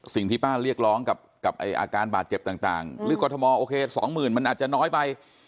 สิ่งที่ป้าเรียกร้องกับอาการบาดเจ็บต่างหรือกรทมโอเคสองหมื่นมันอาจจะน้อยไป